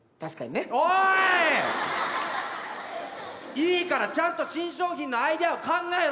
いいからちゃんと新商品のアイデアを考えろ！